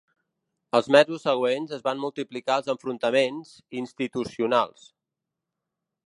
Els mesos següents es van multiplicar els enfrontaments institucionals.